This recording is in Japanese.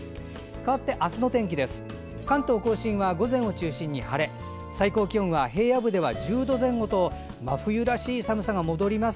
かわって、明日の天気です。